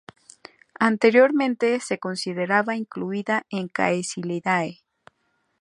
Anteriormente se consideraba incluida en Caeciliidae.